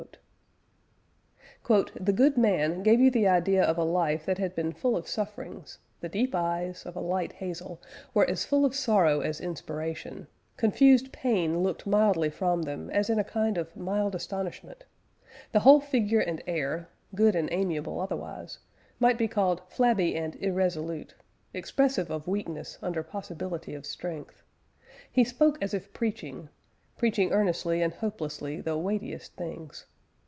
"The good man ... gave you the idea of a life that had been full of sufferings ... the deep eyes, of a light hazel, were as full of sorrow as inspiration; confused pain looked mildly from them, as in a kind of mild astonishment. The whole figure and air, good and amiable otherwise, might be called flabby and irresolute; expressive of weakness under possibility of strength.... He spoke as if preaching preaching earnestly and hopelessly the weightiest things."